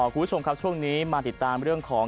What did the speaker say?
คุณผู้ชมครับช่วงนี้มาติดตามเรื่องของ